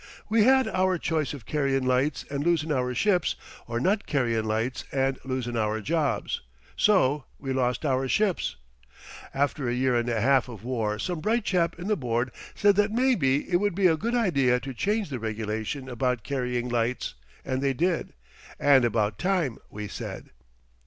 We had our choice of carryin' lights and losin' our ships, or not carryin' lights and losin' our jobs. So we lost our ships. After a year and a 'alf of war some bright chap in the board said that maybe it would be a good idea to change the regulation about carrying lights, and they did. And about time, we said.